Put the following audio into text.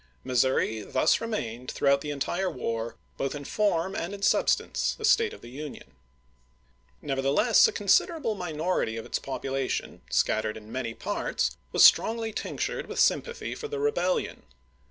Mis souri thus remained through the entire war, both in form and in substance, a State of the Union. Nevertheless a considerable minority of its pop ulation, scattered in many parts, was strongly tinctured with sympathy for the rebellion.